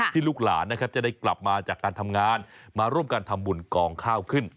ลูกหลานนะครับจะได้กลับมาจากการทำงานมาร่วมกันทำบุญกองข้าวขึ้น